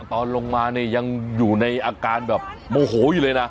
ตอนลงมาเนี่ยยังอยู่ในอาการแบบโมโหอยู่เลยนะ